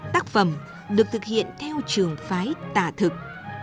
tác phẩm được thực hiện theo trường phái tà thực